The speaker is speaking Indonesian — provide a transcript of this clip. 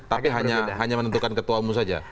tapi hanya menentukan ketua umum saja